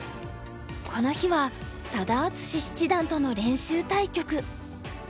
この日は佐田篤史七段との練習対局。